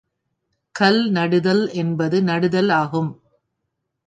கல்நடுதல் என்பது நடுதல் ஆகும்.